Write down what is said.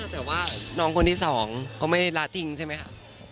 แต่ว่าน้องคนที่สองเขาไม่รักจริงใช่ไหมครับ